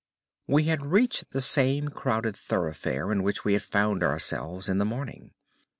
We had reached the same crowded thoroughfare in which we had found ourselves in the morning.